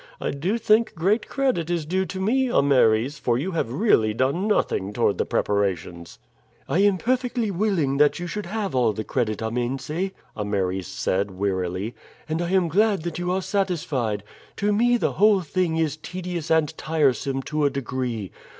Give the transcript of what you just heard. I do think great credit is due to me, Ameres, for you have really done nothing toward the preparations." "I am perfectly willing that you should have all the credit, Amense," Ameres said wearily, "and I am glad that you are satisfied. To me the whole thing is tedious and tiresome to a degree.